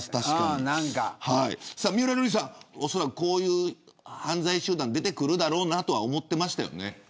三浦瑠麗さん、おそらくこういう犯罪集団出てくるだろうなと思っていましたよね。